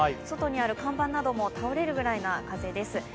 外にある看板なども倒れるぐらいの風です。